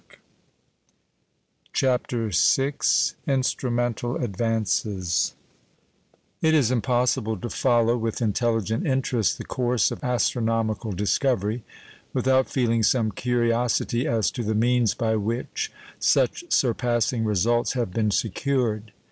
] CHAPTER VI INSTRUMENTAL ADVANCES It is impossible to follow with intelligent interest the course of astronomical discovery without feeling some curiosity as to the means by which such surpassing results have been secured.